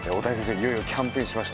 いよいよキャンプインしました。